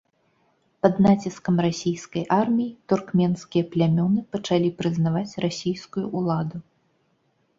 Пад націскам расійскай арміі туркменскія плямёны пачалі прызнаваць расійскую ўладу.